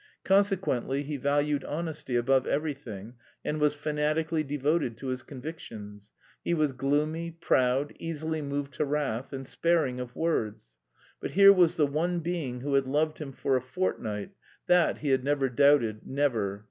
Consequently he valued honesty above everything and was fanatically devoted to his convictions; he was gloomy, proud, easily moved to wrath, and sparing of words. But here was the one being who had loved him for a fortnight (that he had never doubted, never!)